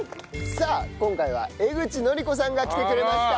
さあ今回は江口のりこさんが来てくれました。